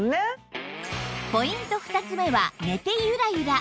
ポイント２つ目は寝てゆらゆら